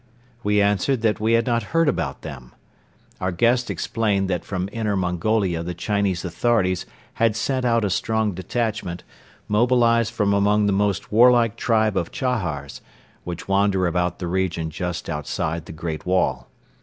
We answered that we had not heard about them. Our guest explained that from Inner Mongolia the Chinese authorities had sent out a strong detachment, mobilized from among the most warlike tribe of Chahars, which wander about the region just outside the Great Wall.